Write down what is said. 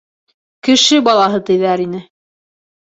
Кеше балаһы тиҙәр ине...